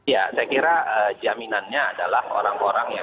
ya saya kira jaminannya adalah orang orang yang